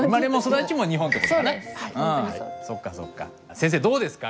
先生どうですか？